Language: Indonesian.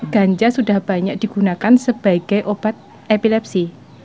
ganja sudah banyak digunakan sebagai obat epilepsi